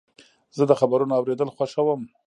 زه د خبرونو اورېدل خوښوم.